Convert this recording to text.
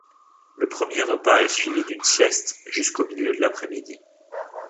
Le premier repas est suivi d’une sieste jusqu’au milieu de l’après-midi.